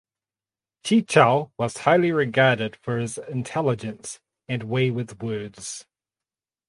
Chi Chao was highly regarded for his intelligence and way with words.